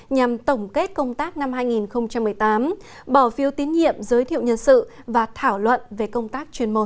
nhằm tổng kết công tác năm hai nghìn một mươi tám bỏ phiếu tín nhiệm giới thiệu nhân sự và thảo luận về công tác chuyên môn